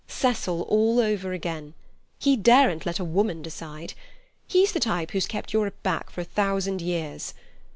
Cecil all over again. He daren't let a woman decide. He's the type who's kept Europe back for a thousand years.